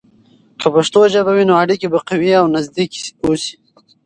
که پښتو ژبه وي، نو اړیکې به قوي او نزدیک اوسي.